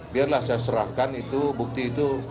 biarlah saya serahkan itu bukti itu